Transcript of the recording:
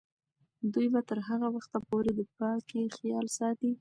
دوی به تر هغه وخته پورې د پاکۍ خیال ساتي.